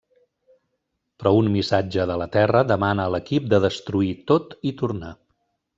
Però un missatge de la Terra demana a l'equip de destruir tot i tornar.